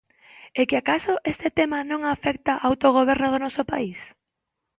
¿É que acaso este tema non afecta ao autogoberno do noso país?